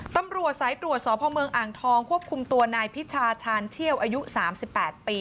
ตำรวจสายตรวจสพเมืองอ่างทองควบคุมตัวนายพิชาชาญเชี่ยวอายุ๓๘ปี